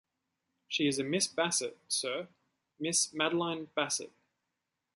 She is a Miss Bassett, sir; Miss Madeline Bassett.